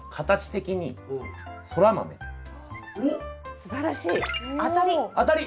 すばらしい。